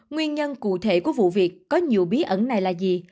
nguyên nhân cụ thể của vụ việc có nhiều bí ẩn này là gì